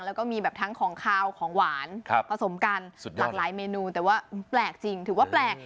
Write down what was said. แล้วก็มีแบบทั้งของขาวของหวานผสมกันหลากหลายเมนูแต่ว่าแปลกจริงถือว่าแปลก